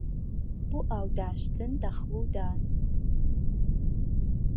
بۆ ئاو داشتن دەغڵ و دان